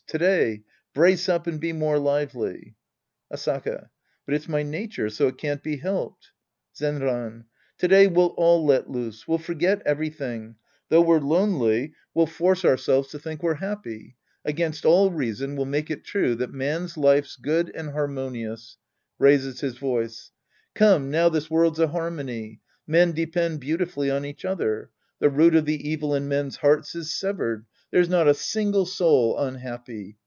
To day, brace up and be more lively. Asaka. But it's my nature, so it can't be helped. Zenran. To day we'll all let loose. ■* We'll forget ev^iything. Though we're lonely, we'll force our 98 The Priest and His Disciples Act III selves to tliink we're happy. Against all reason, we'll make it true that man's life's good and harmoni ous. {Raises his voice.) Come, now this world's a harmony. Men depend beautifully on each other. The root of the evil in men's hearts is severed. There's not a single soul unhappy.